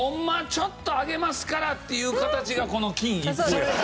ちょっとあげますからっていう形がこの金一封やから。